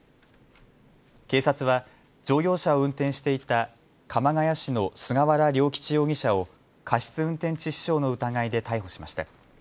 警察は乗用車を運転していた鎌ケ谷市の菅原良吉容疑者を過失運転致死傷の疑いで逮捕しました。